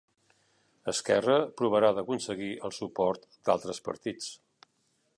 Esquerra provarà d'aconseguir el suport d'altres partits.